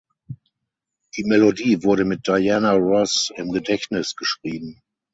Die Melodie wurde mit Diana Ross im Gedächtnis geschrieben.